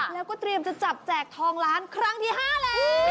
แล้วก็เตรียมจะจับแจกทองล้านครั้งที่๕แล้ว